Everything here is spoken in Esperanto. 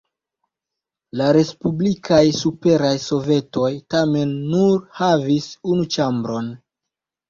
La respublikaj Superaj Sovetoj tamen nur havis unu ĉambron.